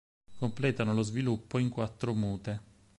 Completano lo sviluppo in quattro mute.